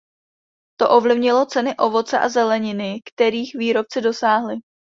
To ovlivnilo ceny ovoce a zeleniny, kterých výrobci dosáhli.